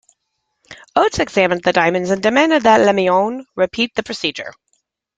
Oats examined the diamonds and demanded that Lemoine repeat the procedure.